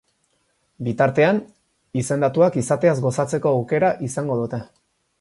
Bitartean, izendatuak izateaz gozatzeko aukera izango dute.